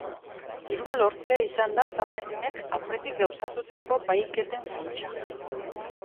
Dirua lortzea izan da talde honek aurretik gauzatutako bahiketen funtsa.